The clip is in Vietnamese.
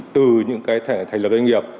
từ những cái thành lập doanh nghiệp